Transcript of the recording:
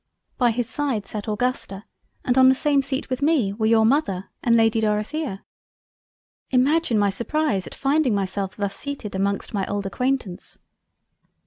By his side sate Augusta, and on the same seat with me were your Mother and Lady Dorothea. Imagine my surprise at finding myself thus seated amongst my old Acquaintance.